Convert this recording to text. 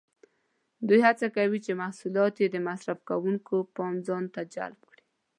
دوی هڅه کوي چې محصولات یې د مصرف کوونکو پام ځانته جلب کړي.